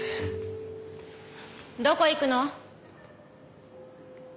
どこ行くの？